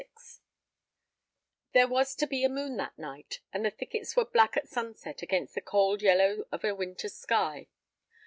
XXXVI There was to be a moon that night, and the thickets were black at sunset against the cold yellow of a winter sky.